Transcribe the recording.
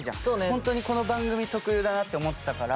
ホントにこの番組特有だなって思ったから。